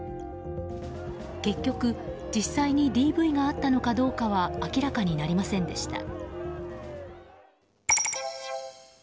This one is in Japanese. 結局、実際にＤＶがあったのかどうかは明らかになりませんでした。